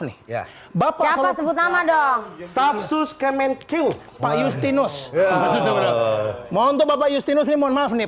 nih ya bapak sebut nama dong stafsus kemenkil pak justinus mohon toh bapak justinus mohon maaf nih